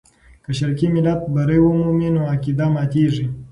که شرقي ملت بری ومومي، نو عقیده ماتېږي.